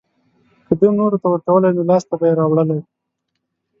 که ده نورو ته ورکولی نو لاسته به يې راوړلی.